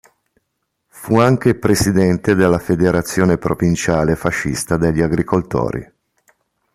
Fu anche presidente della federazione provinciale fascista degli agricoltori.